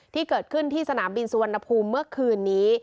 ที่เกิดขึ้นที่สนามบินสุวรรณภูมิเมื่อคืนนี้